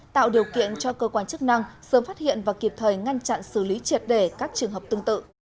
tạo điều kiện cho cơ quan chức năng sớm phát hiện và kịp thời ngăn chặn xử lý triệt đề các trường hợp tương tự